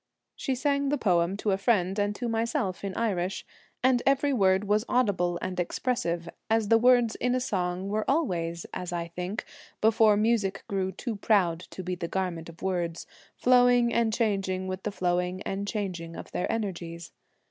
She sang the poem to a friend and to myself in Irish, and every word was audible and expressive, as the words in a song were always, as I think, before music grew too proud to be the garment of words, flowing and changing with the flowing and changing of their energies.